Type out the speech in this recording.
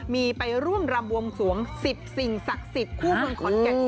มีไปร่วมรำวงสวง๑๐สิ่งศักดิ์๑๐คู่เมืองขอนแกนด้วย